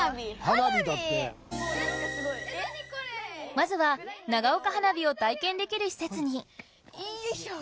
まずは長岡花火を体験できる施設に。